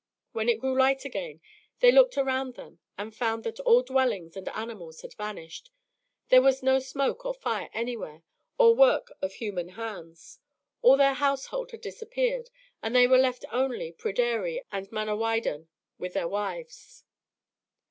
When it grew light again, they looked around them and found that all dwellings and animals had vanished; there was no smoke or fire anywhere or work of human hands; all their household had disappeared, and there were left only Pryderi and Manawydan with their wives.